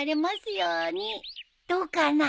どうかな。